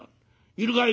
『いるかい？』